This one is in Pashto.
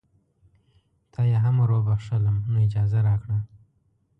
تا یې هم وروبخښلم نو اجازه راکړه.